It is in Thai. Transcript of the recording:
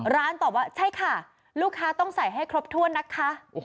ตอบว่าใช่ค่ะลูกค้าต้องใส่ให้ครบถ้วนนะคะ